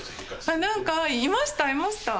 あなんかいましたいました。